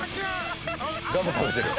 ガム食べてるよ。